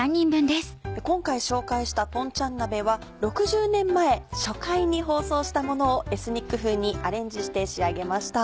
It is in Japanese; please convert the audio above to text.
今回紹介した「とんちゃん鍋」は６０年前初回に放送したものをエスニック風にアレンジして仕上げました。